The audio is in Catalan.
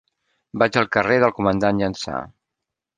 Vaig al carrer del Comandant Llança.